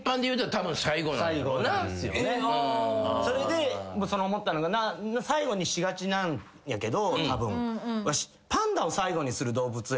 それで思ったのが最後にしがちなんやけど。